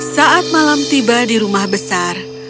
saat malam tiba di rumah besar